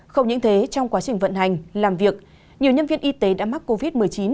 không những thế trong quá trình vận hành làm việc nhiều nhân viên y tế đã mắc covid một mươi chín